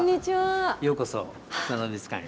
ようこそ砂の美術館へ。